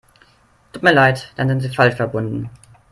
Tut mir leid, dann sind Sie falsch verbunden.